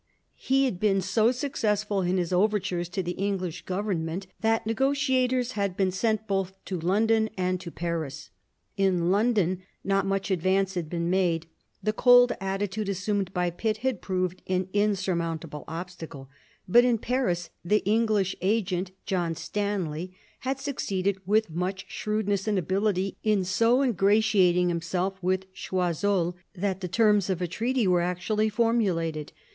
He had been so successful in his overtures to the English Government that negotiators had been sent both to London and to Paris. In London not much advance had been made ; the cold attitude assumed by Pitt had proved an insur mountable obstacle. But in Paris, the English agent, John Stanley, had succeeded with much shrewdness and ability in so ingratiating himself with CRoiseul that the terms of a treaty were actually formulated.